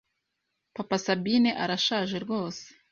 Papa Sabine arashaje rwose